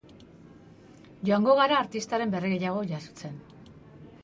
Joango gara artistaren berri gehiago jasotzen.